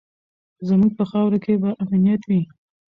زموږ په خاوره کې به امنیت وي.